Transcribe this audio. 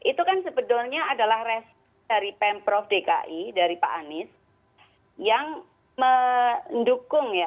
itu kan sebetulnya adalah respon dari pemprov dki dari pak anies yang mendukung ya